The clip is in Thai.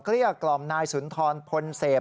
เกลี้ยกล่อมนายสุนทรณ์พลเศพ